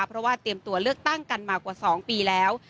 เพราะว่าเตรียมตัวเลือกตั้งกันมากว่า๒ปีแล้ว